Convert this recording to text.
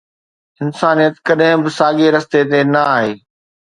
انسانيت ڪڏهن به ساڳئي رستي تي نه آهي